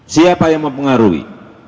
siapa yang mempengaruhi